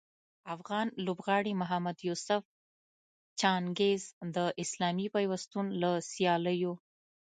افغان لوبغاړي محمد یوسف جهانګیر د اسلامي پیوستون له سیالیو